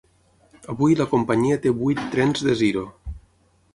Avui la companyia té vuit trens Desiro.